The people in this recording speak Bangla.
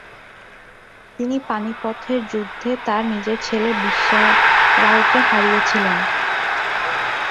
তিনি পানিপথের যুদ্ধে তার নিজের ছেলে বিশ্বারাওকে হারিয়েছিলেন।